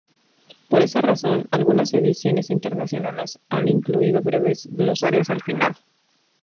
Por esa razón, algunas ediciones internacionales han incluido breves glosarios al final.